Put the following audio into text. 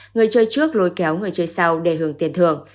người chơi trước lôi kéo người chơi sau để hưởng tiền thưởng